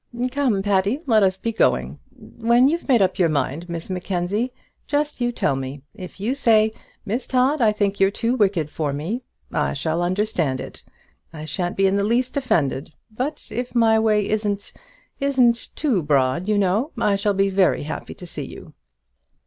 Come, Patty, let us be going. When you've made up your mind, Miss Mackenzie, just you tell me. If you say, 'Miss Todd, I think you're too wicked for me,' I shall understand it. I shan't be in the least offended. But if my way isn't isn't too broad, you know, I shall be very happy to see you."